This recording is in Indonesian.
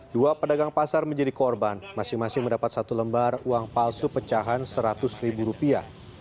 dua pedagang pasar menjadi korban masing masing mendapat satu lembar uang palsu pecahan seratus ribu rupiah